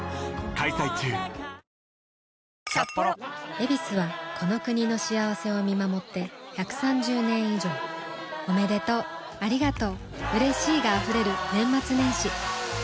「ヱビス」はこの国の幸せを見守って１３０年以上おめでとうありがとううれしいが溢れる年末年始さあ今年も「ヱビス」で